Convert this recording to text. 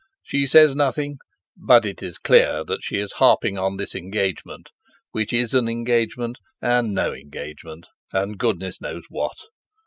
She says nothing, but it is clear that she is harping on this engagement, which is an engagement and no engagement, and—goodness knows what.